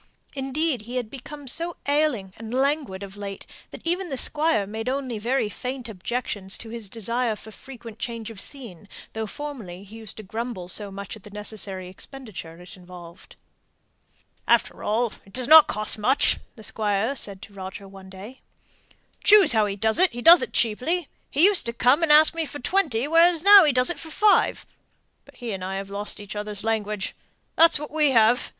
Indeed, he had become so ailing and languid of late, that even the Squire made only very faint objections to his desire for frequent change of scene, though formerly he used to grumble so much at the necessary expenditure it involved. "After all, it doesn't cost much," the Squire said to Roger one day. "Choose how he does it, he does it cheaply; he used to come and ask me for twenty, where now he does it for five. But he and I have lost each other's language, that's what we have!